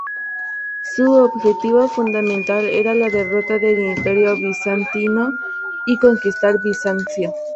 Su objetivo fundamental era la derrota del Imperio bizantino y conquistar Bizancio.